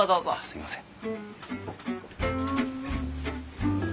すいません。